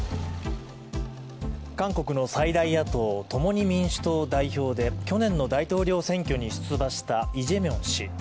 韓国の最大野党共に民主党代表で去年の大統領選挙に出馬したイ・ジェミン氏。